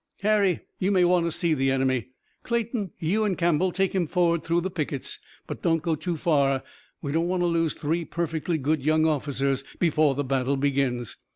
"Harry, you may want to see the enemy. Clayton, you and Campbell take him forward through the pickets. But don't go too far. We don't want to lose three perfectly good young officers before the battle begins.